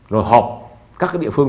rồi họp các địa phương